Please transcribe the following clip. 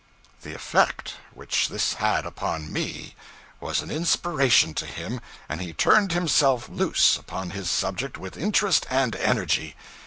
The effect which this had upon me was an inspiration to him, and he turned himself loose upon his subject with interest and energy.